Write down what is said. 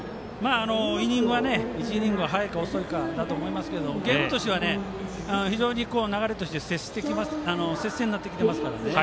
イニングは１イニングは早いか遅いかですけどゲームとしては非常に流れとして接戦になってきてますからね。